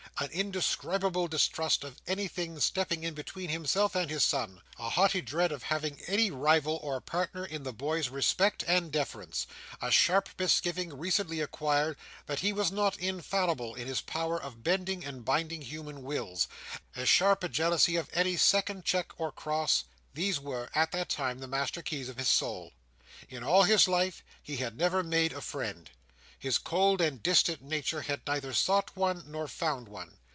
An indescribable distrust of anybody stepping in between himself and his son; a haughty dread of having any rival or partner in the boy's respect and deference; a sharp misgiving, recently acquired, that he was not infallible in his power of bending and binding human wills; as sharp a jealousy of any second check or cross; these were, at that time the master keys of his soul. In all his life, he had never made a friend. His cold and distant nature had neither sought one, nor found one.